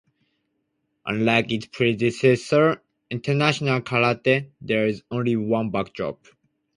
Unlike its predecessor, "International Karate", there is only one backdrop.